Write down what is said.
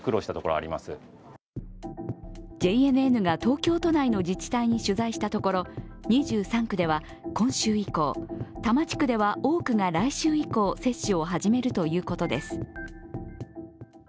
ＪＮＮが東京都内の自治体に取材したところ２３区では、今週以降多摩地区では多くが来週以降、接種を始めるということです。